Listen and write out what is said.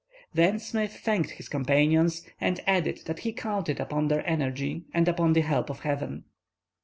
Then Smith thanked his companions, and added that he counted upon their energy and upon the help of Heaven.